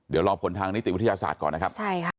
เดี๋ยวรอผลทางนิติวิทยาศาสตร์ก่อนนะครับใช่ค่ะ